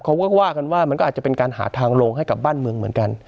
เขาก็ว่ากันว่ามันก็อาจจะเป็นการหาทางลงให้กับบ้านเมืองเหมือนกัน